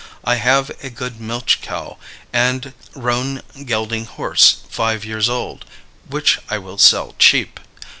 I have a good milch cow and roan gelding horse, five years old, which I will sell cheap.